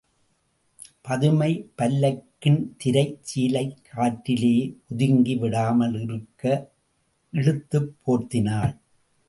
பதுமை பல்லக்கின் திரைச் சீலை காற்றிலே ஒதுங்கி விடாமல் இறுக இழுத்துப் போர்த்தினாள்.